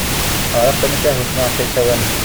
Ɣriɣ tamahut n uɛeqqa yessawalen.